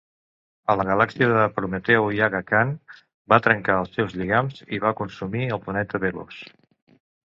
A la galàxia de Prometeu Yuga Khan va trencar els seus lligams, i va consumir el planeta Velos.